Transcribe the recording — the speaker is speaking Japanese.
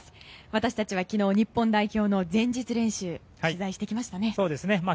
私たちは昨日、日本代表の前日練習を取材してきましたね。